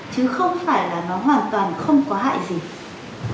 chứ không phải là nó hoàn toàn không có hại gì